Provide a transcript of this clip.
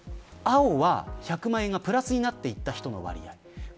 青は１００万円がプラスになっていった人の割合。